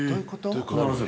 必ず？